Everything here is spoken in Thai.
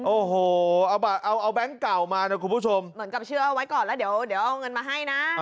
โอ้โหเอาแบงค์เก่ามานะคุณผู้ชมเหมือนกับเชื่อเอาไว้ก่อนแล้วเดี๋ยวเอาเงินมาให้นะ